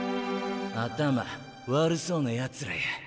頭悪そうなやつらや。